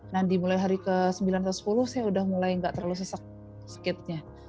nah dimulai hari ke sembilan atau sepuluh saya udah mulai nggak terlalu sesak sakitnya